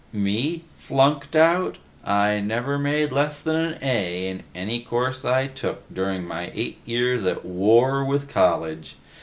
"Me? Flunked out? I never made less than an A in any course I took during my eight years at war with college.